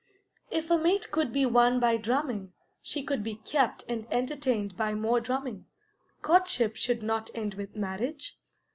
If a mate could be won by drumming, she could be kept and entertained by more drumming; courtship should not end with marriage.